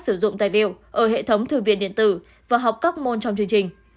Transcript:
sử dụng tài liệu ở hệ thống thư viện điện tử và học các môn trong chương trình